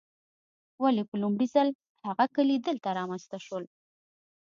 ولې په لومړي ځل هغه کلي دلته رامنځته شول.